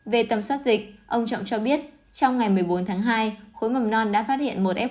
về tầm soát dịch ông trọng cho biết trong ngày một mươi bốn tháng hai khối mầm non đã phát hiện một f